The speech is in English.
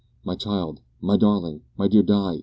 "My child! my darling! my dear Di!"